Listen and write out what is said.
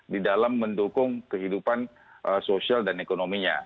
di dalam mendukung kehidupan sosial dan ekonominya